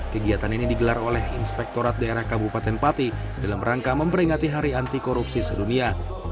kegiatan ini digelar oleh inspektorat daerah kabupaten pati dalam rangka memperingati hari anti korupsi sedunia